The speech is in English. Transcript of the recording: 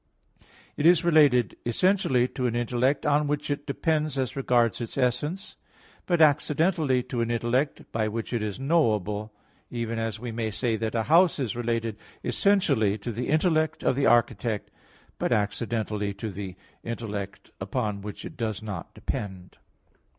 It is related essentially to an intellect on which it depends as regards its essence; but accidentally to an intellect by which it is knowable; even as we may say that a house is related essentially to the intellect of the architect, but accidentally to the intellect upon which it does not depend.